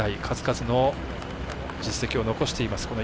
数々の実績を残しています